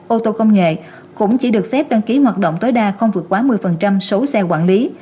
ô tô công nghệ cũng chỉ được phép đăng ký hoạt động tối đa không vượt quá một mươi số xe quản lý